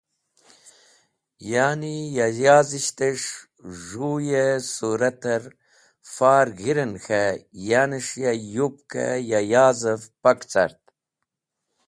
Ya’ni ya yazishtes̃h z̃hũy-e sũrater far g̃hiren k̃he yanes̃h ya yupk ya yazev pak car.